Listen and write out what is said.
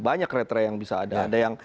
banyak kriteria yang bisa ada